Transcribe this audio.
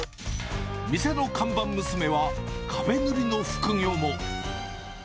店の看板娘は、壁塗りの副業も。